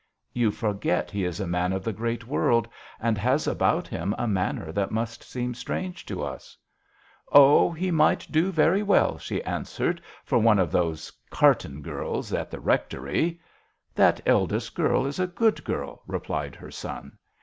" You forget he is a man of the great world, and has about him a manner that must seem strange to us." " Oh, he might do very well/' she answered, " for one of those Carton girls at the rectory." "That eldest girl is a good girl," replied her son.